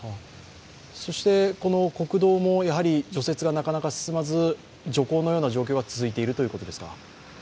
国道も除雪がなかなか進まず徐行のような状況が続いているということですか？